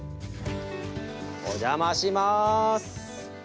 お邪魔します。